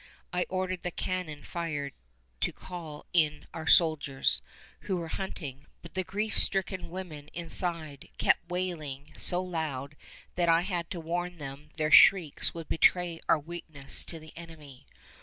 I ordered the cannon fired to call in our soldiers, who were hunting; but the grief stricken women inside kept wailing so loud that I had to warn them their shrieks would betray our weakness to the enemy.